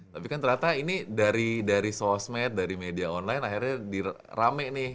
tapi kan ternyata ini dari sosmed dari media online akhirnya rame nih